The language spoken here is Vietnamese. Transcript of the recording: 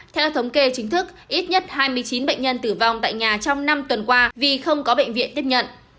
theo thống kê chính thức ít nhất hai mươi chín bệnh nhân tử vong tại nhà trong năm tuần qua vì không có bệnh viện tiếp nhận